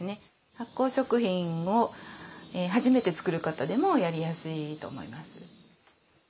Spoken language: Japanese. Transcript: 発酵食品を初めて作る方でもやりやすいと思います。